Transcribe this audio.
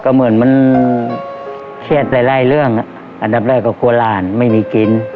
ก็เหมือนมันเครียดหลายเรื่องอันดับแรกก็กลัวหลานไม่มีกิน